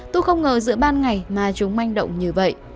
tôi không ngờ giữa ban ngày mà chúng manh động như vậy